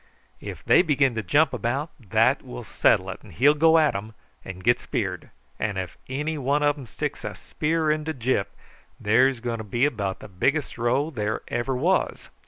If they begin to jump about, that will settle it, and he'll go at 'em and get speared; and if any one sticks a spear into Gyp, there's going to be about the biggest row there ever was.